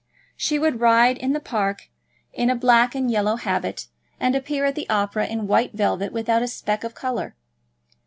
She would ride in the park in a black and yellow habit, and appear at the opera in white velvet without a speck of colour.